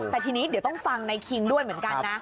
แต่ทีนี้เดี๋ยวต้องฟังในคิงด้วยเหมือนกันนะ